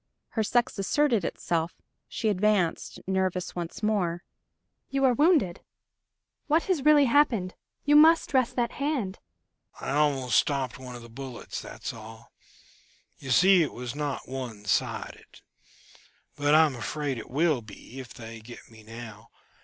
Her sex asserted itself; she advanced, nervous once more. "You are wounded? What has really happened? You must dress that hand ..." "I almost stopped one of the bullets that's all. You see it was not one sided. But I am afraid it will be, if they get me now.